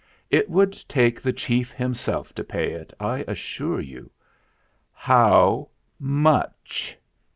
"It would take the chief himself to pay it, I assure you." "How much?"